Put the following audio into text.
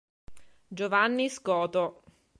Giovanni Scoto